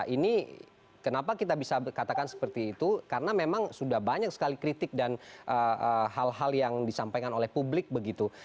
ini kenapa kita bisa katakan seperti itu karena memang sudah banyak sekali kritik dan hal hal yang disampaikan oleh publik begitu